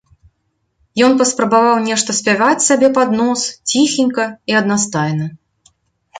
Ён паспрабаваў нешта спяваць сабе пад нос ціхенька і аднастайна.